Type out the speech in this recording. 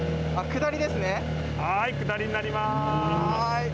下りになります。